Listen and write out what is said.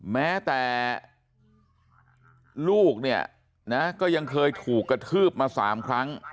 แม้แต่ลูกเนี่ยนะก็ยังเคยถูกกระทืบมา๓ครั้ง